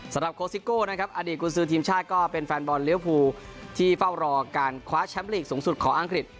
โคซิโก้นะครับอดีตกุญสือทีมชาติก็เป็นแฟนบอลเลี้ยวภูที่เฝ้ารอการคว้าแชมป์ลีกสูงสุดของอังกฤษ